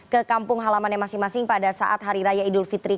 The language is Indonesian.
ke kampung halamannya masing masing pada saat hari raya idul fitri